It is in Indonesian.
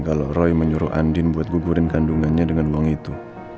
kalau roy menyuruh andin buat gugurin kandungannya dengan uang itu